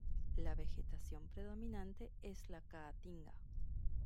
La vegetación predominante es la caatinga.